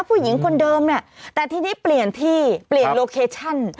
ผู้หญิงคนเดิมเนี่ยแต่ทีนี้เปลี่ยนที่เปลี่ยนโลเคชั่น